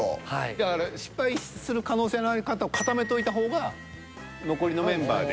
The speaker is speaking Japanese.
だから失敗する可能性のある方を固めといた方が残りのメンバーで。